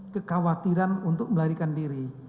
kekhawatiran untuk melarikan diri